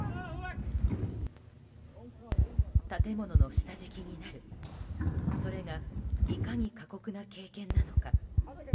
建物の下敷きになるそれがいかに過酷な経験なのか。